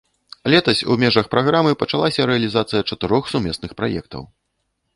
Летась у межах праграмы пачалася рэалізацыя чатырох сумесных праектаў.